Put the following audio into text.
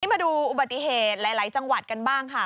มาดูอุบัติเหตุหลายจังหวัดกันบ้างค่ะ